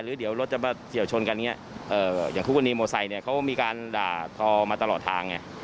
หรือเดี๋ยวรถจะเกี่ยวชนกันเนี่ยอย่างทุกวันนี้มอเตอร์ไซค์เนี่ยเขามีการด่าทอมาตลอดทางเนี่ย